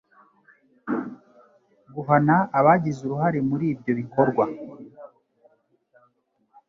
guhana abagize uruhare muri ibyo bikorwa